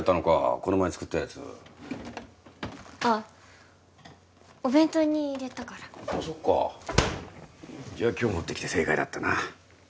この前作ったやつあっお弁当に入れたからあっそっかじゃ今日持ってきて正解だったな